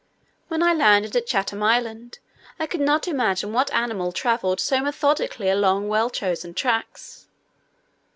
When I landed at Chatham Island, I could not imagine what animal travelled so methodically along well chosen tracks.